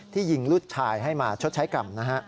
ที่ยิงลูกชายให้มาชดใช้กรรมนะครับ